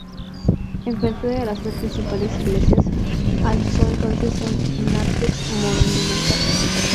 Enfrente de las tres principales iglesias, alzó entonces un nártex monumental.